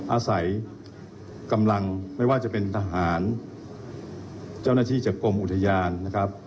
อาศัยกำลังไม่ว่าจะเป็นทหารเจ้าหน้าที่จากกรมอุทยานนะครับ